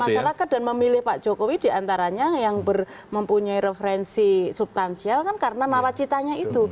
masyarakat dan memilih pak jokowi diantaranya yang mempunyai referensi subtansial kan karena nawacitanya itu